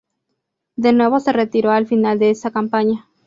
De nuevo se retiró al final de esa campaña.